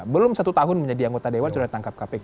belum satu tahun menjadi anggota dewan sudah ditangkap kpk